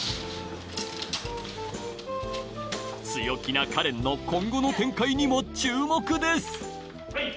強気な花恋の今後の展開にも注目です